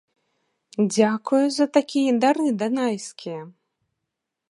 Дзякую за такія дары данайскія!